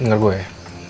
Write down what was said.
dengar gue ya